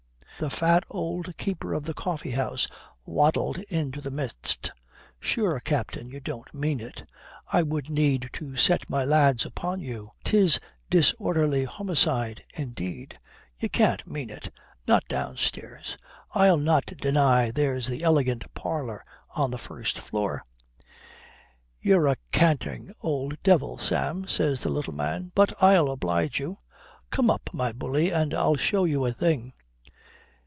The fat old keeper of the coffee house waddled into the midst. "Sure, Captain, you don't mean it. I would need to set my lads upon you. 'Tis disorderly homicide, indeed. Ye can't mean it. Not downstairs. I'll not deny there's the elegant parlour on the first floor." "Ye're a canting old devil, Sam," says the little man. "But I'll oblige you. Come up, my bully, and I'll show you a thing."